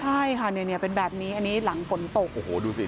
ใช่ค่ะเนี่ยเป็นแบบนี้อันนี้หลังฝนตกโอ้โหดูสิ